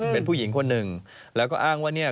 เป็นผู้หญิงคนหนึ่งแล้วก็อ้างว่าเนี่ย